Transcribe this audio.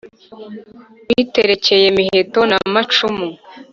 uyiterekeye miheto na macumu